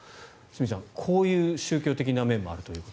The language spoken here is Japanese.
角さん、こういう宗教的な面もあると。